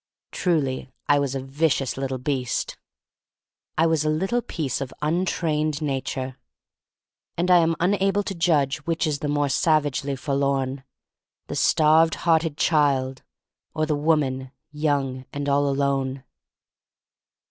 Truly I was a vicious little beast. I was a little piece of untrained Na ture. And I am unable to judge which is the more savagely forlorn : the starved hearted child, or the woman, young and all alone.